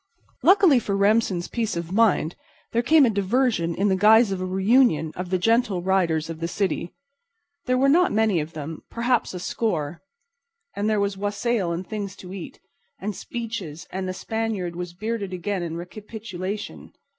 Luckily for Remsen's peace of mind there came a diversion in the guise of a reunion of the Gentle Riders of the city. There were not many of them—perhaps a score—and there was wassail and things to eat, and speeches and the Spaniard was bearded again in recapitulation.